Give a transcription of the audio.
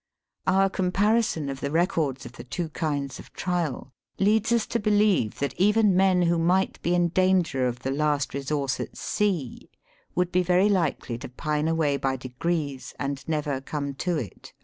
Our comparison of the re cords of the two kinds of trial, It ads us to believe, that even man who might be in danger of the last resource at sea, would bo very likely to pine away by degrees, and never come to it, ashore.